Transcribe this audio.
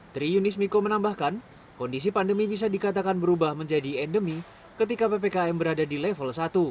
tri yunis miko menambahkan kondisi pandemi bisa dikatakan berubah menjadi endemi ketika ppkm berada di level satu